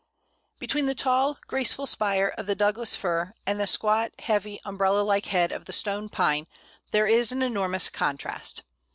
Between the tall, graceful spire of the Douglas Fir and the squat, heavy, umbrella like head of the Stone Pine, there is an enormous contrast.